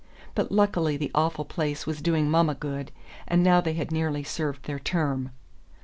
But luckily the awful place was doing mamma good, and now they had nearly served their term...